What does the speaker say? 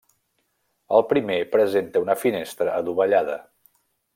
El primer presenta una finestra adovellada.